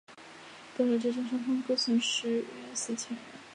德勒之战双方各损失约四千人。